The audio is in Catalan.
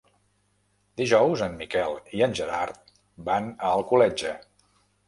Dijous en Miquel i en Gerard van a Alcoletge.